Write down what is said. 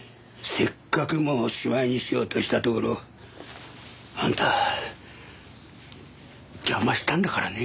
せっかくもうしまいにしようとしたところあんた邪魔したんだからね。